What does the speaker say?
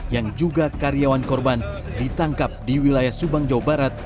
yang juga karyawan korban ditangkap di wilayah subang jawa barat